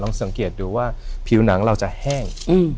สังเกตดูว่าผิวหนังเราจะแห้ง